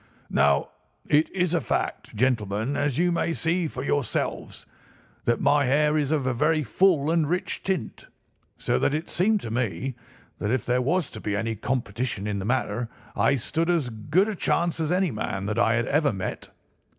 "Now, it is a fact, gentlemen, as you may see for yourselves, that my hair is of a very full and rich tint, so that it seemed to me that if there was to be any competition in the matter I stood as good a chance as any man that I had ever met.